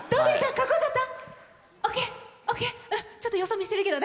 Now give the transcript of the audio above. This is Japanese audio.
かっこよかった？